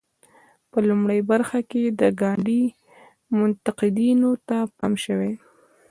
په لومړۍ برخه کې د ګاندي منتقدینو ته پام شوی.